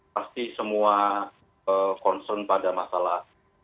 pasti semua concern pada masalah